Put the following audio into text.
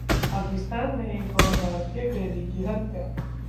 पाकिस्तान में एक और भारतीय कैदी की हत्या!